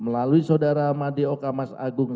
melalui saudara madeoka mas agung